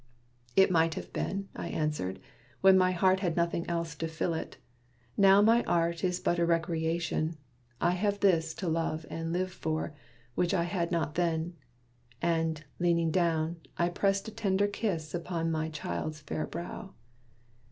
"It might have been," I answered, "when my heart Had nothing else to fill it. Now my art Is but a recreation. I have this To love and live for, which I had not then." And, leaning down, I pressed a tender kiss Upon my child's fair brow.